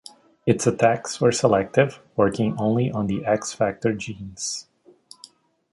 Its attacks were selective, working only on the X-factor genes.